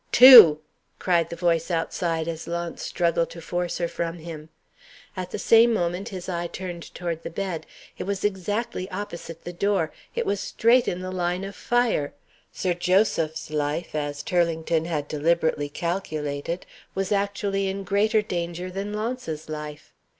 "Two!" cried the voice outside, as Launce struggled to force her from him. At the same moment his eye turned toward the bed. It was exactly opposite the door it was straight in the line of fire! Sir Joseph' s life (as Turlington had deliberately calculated) was actually in greater danger than Launce's life.